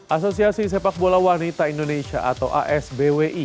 asosiasi sepak bola wanita indonesia atau asbwi